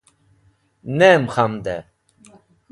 Nem Khamdẽ.